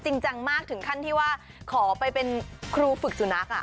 จริงจังมากถึงขั้นที่ว่าขอไปเป็นครูฝึกสุนัข